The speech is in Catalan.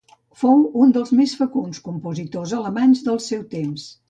Fou un dels més fecunds compositors alemanys del seu temps.